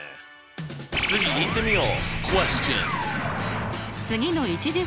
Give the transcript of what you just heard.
次いってみよう！